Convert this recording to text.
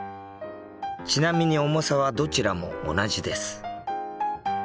ちなみに重さはどちらも同じです。